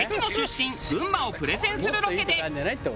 群馬をプレゼンするロケで。